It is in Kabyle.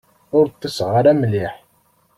Ur ṭṭiseɣ ara mliḥ.